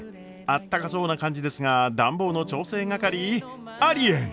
あったかそうな感じですが暖房の調整係？ありえん！